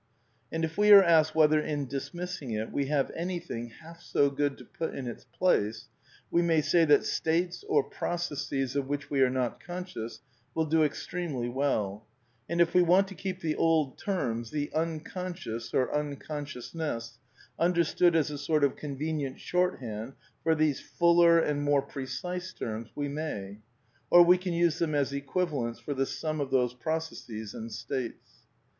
And if we are asked whether in dismissing it we have anything half so good to put in its place, we may say that states, or processes, of which we are not conscious will do extremely well ; and if we want to keep the old terms, "the Unconscious" or " Unconsciousness," understood as a sort of convenient shorthand for these fuller and more precise terms, we may. Or we can use them as equivalents for the sum of those processes and states.